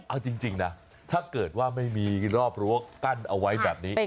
เอาจริงนะถ้าเกิดว่าไม่มีรอบรั้วกั้นเอาไว้แบบนี้